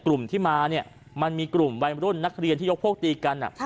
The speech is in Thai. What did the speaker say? กลุ่มที่มาเนี่ยมันมีกลุ่มวัยรุ่นนักเรียนที่ยกพวกตีกัน